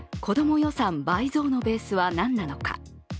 予算倍増のベースはなんなのか。